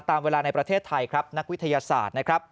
ตามเวลาในประเทศไทยนักวิทยาศาสตร์